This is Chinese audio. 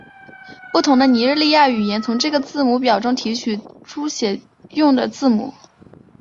不同的尼日利亚语言从这个字母表中提取书写用的字母。